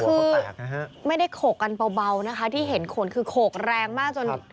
คือไม่ได้โขกกันเบานะคะที่เห็นขนคือโขกแรงมากจน